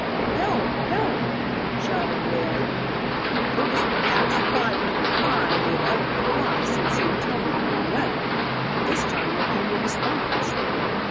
"Help! Help!" shouted Roy. It was perhaps the five hundredth time he had uttered the cry since he had tumbled into the well. But this time there came a response.